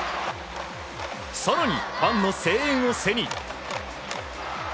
更に、ファンの声援を背に。